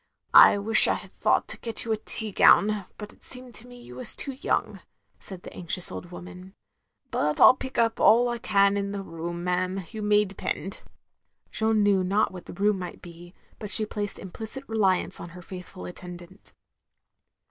I wish I had thought to get you a tea gown, but it seemed to me you was too young," said the anxious old woman, "but I 'U pick up all I can in the Room, ma'am, you may depend. " 268 THE LONELY LADY Jeanne knew not what the Room might be, but she placed implicit reliance on her faithful attendant.